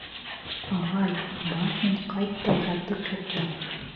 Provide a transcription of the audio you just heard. Ағай, бар һин ҡайт та ятып йоҡла!